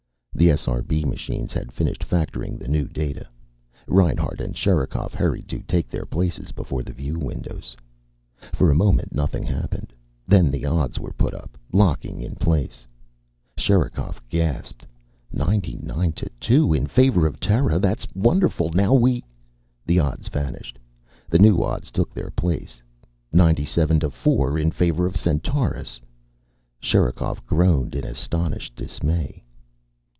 The SRB machines had finished factoring the new data. Reinhart and Sherikov hurried to take their places before the view windows. For a moment nothing happened. Then odds were put up, locking in place. Sherikov gasped. 99 2. In favor of Terra. "That's wonderful! Now we " The odds vanished. New odds took their places. 97 4. In favor of Centaurus. Sherikov groaned in astonished dismay.